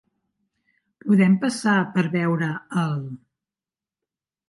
Podem passar per veure el.?